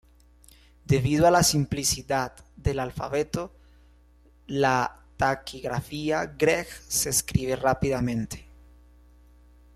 Debido a la simplicidad del alfabeto, la taquigrafía Gregg se escribe rápidamente.